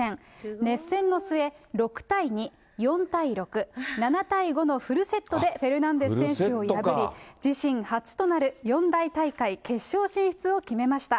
熱戦の末、６対２、４対６、７対５のフルセットで、フェルナンデス選手を破り、自身初となる四大大会決勝進出を決めました。